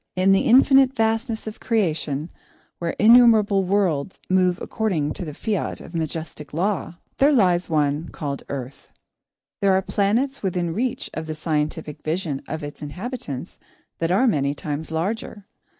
In the infinite vastness of creation, where innumerable worlds move according to the fiat of majestic Law, there lies one called Earth. There are planets within reach of the scientific vision of its inhabitants that are many times larger.